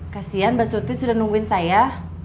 kasian mbak suti sudah nungguin saya